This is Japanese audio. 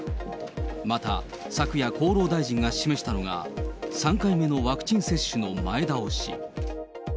また、昨夜、厚労大臣が示したのが、３回目のワクチン接種の前倒し。